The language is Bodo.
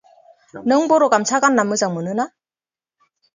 नों बर' गामसा गानना मोजां मोनो ना?